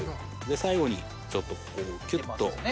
最後にちょっとここをキュっと。